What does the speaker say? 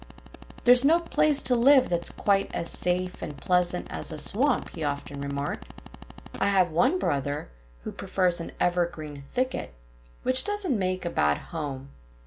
"There's no place to live that's quite as safe and pleasant as a swamp," he often remarked. "I have one brother who prefers an evergreen thicket, which doesn't make a bad home.